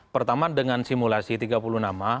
pertama dengan simulasi tiga puluh nama